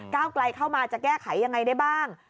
ไกลเข้ามาจะแก้ไขยังไงได้บ้าง